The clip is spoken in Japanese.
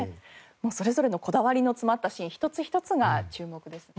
それぞれのこだわりの詰まったシーン一つ一つが注目ですね。